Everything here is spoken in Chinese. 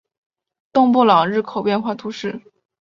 东布朗人口变化图示